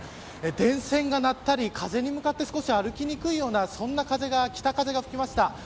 電線がなったり風に向かって少し歩きにくいようなそんな北風が吹きました。